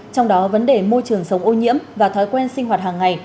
trong đó vấn đề môi trường sống ô nhiễm và thói quen sinh hoạt hàng ngày